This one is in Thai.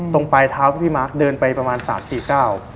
ตรงปลายเท้าที่พี่มากเดินไปประมาณ๓๔เก้า